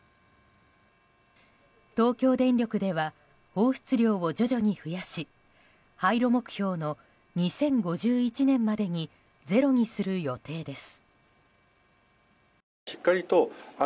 東京電力では放出量を徐々に増やし廃炉目標の２０５１年までにゼロにする予定です。